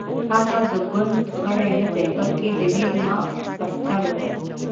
هغه د ګوند غړی نه دی بلکې د ویرماخت عسکر و